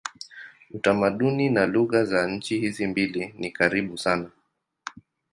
Utamaduni na lugha za nchi hizi mbili ni karibu sana.